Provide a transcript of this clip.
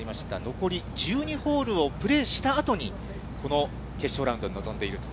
残り１２ホールをプレーしたあとに、この決勝ラウンドに臨んでいると。